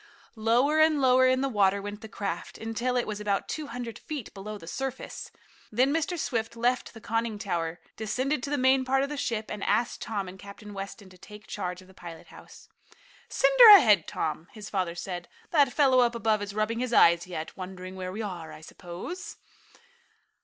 Lower and lower in the water went the craft, until it was about two hundred feet below the surface. Then Mr. Swift left the conning tower, descended to the main part of the ship, and asked Tom and Captain Weston to take charge of the pilot house. "Send her ahead, Tom," his father said. "That fellow up above is rubbing his eyes yet, wondering where we are, I suppose."